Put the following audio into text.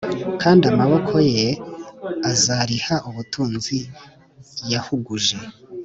kandi amaboko ye azariha ubutunzi yahuguje